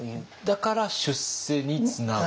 だから出世につながった。